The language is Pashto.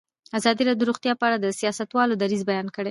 ازادي راډیو د روغتیا په اړه د سیاستوالو دریځ بیان کړی.